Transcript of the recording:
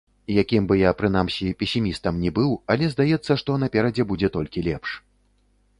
Якім бы я, прынамсі, песімістам ні быў, але здаецца, што наперадзе будзе толькі лепш.